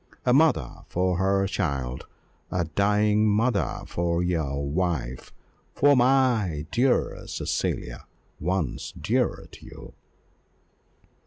a mother for her child a dying mother for your wife for my dear Cecilia, once dear to you."